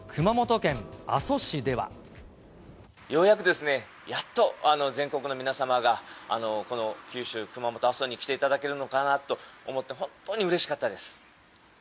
ようやくですね、やっと全国の皆様が、この九州・熊本、阿蘇に来ていただけるのかなと思って、本当にうれしかったです。